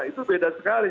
itu beda sekali